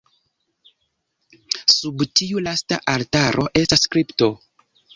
Sub tiu lasta altaro estas kripto.